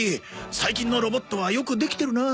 最近のロボットはよくできてるなあ。